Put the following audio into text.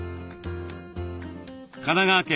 神奈川県